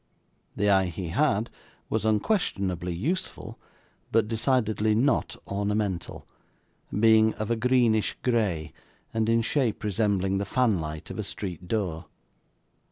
The eye he had, was unquestionably useful, but decidedly not ornamental: being of a greenish grey, and in shape resembling the fan light of a street door.